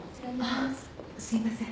あっすいません。